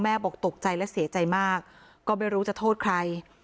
บอกตกใจและเสียใจมากก็ไม่รู้จะโทษใคร